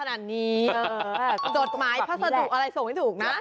อันนี้จดหมายถ้าส่งถูกอะไรส่งให้ถูกนะ